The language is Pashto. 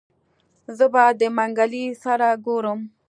زه به د منګلي سره ګورم.